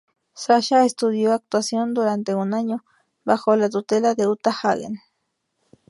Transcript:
Sasha estudió actuación durante un año, bajo la tutela de Uta Hagen.